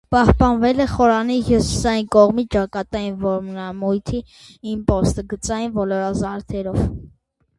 Պահպանվել է խորանի հյուսիսային կողմի ճակատային որմնամույթի իմպոստը՝ գծային ոլորազարդերով։